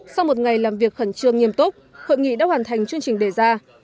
sau một ngày làm việc khẩn trương nghiêm túc hội nghị đã hoàn thành chương trình đề ra